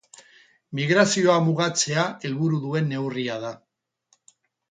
Migrazioa mugatzea helburu duen neurria da.